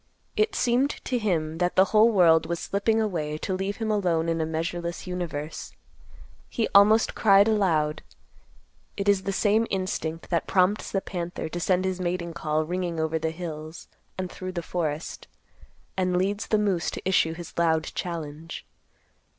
It seemed to him that the whole world was slipping away to leave him alone in a measureless universe. He almost cried aloud. It is the same instinct that prompts the panther to send his mating call ringing over the hills and through the forest, and leads the moose to issue his loud challenge.